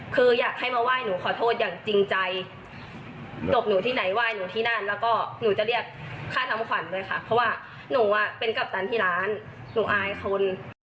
เพราะว่าหนูเป็นกัปตรรนที่ล้านหนูอายคน